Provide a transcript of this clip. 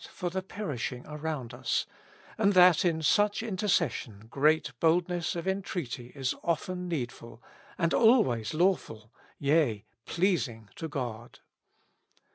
for the perishing around us, and that in such interces sion great boldness of entreaty is often needful, and always lawful, yea, pleasing to God.